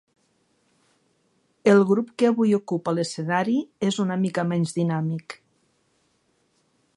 El grup que avui ocupa l'escenari és una mica menys dinàmic.